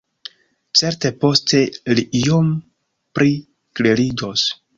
Certe poste li iom pli kleriĝos.